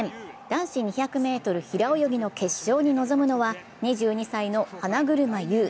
男子２００ｍ平泳ぎの決勝に臨むのは２２歳の花車優。